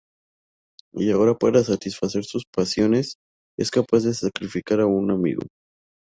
Y ahora para satisfacer sus pasiones es capaz de sacrificar a un amigo.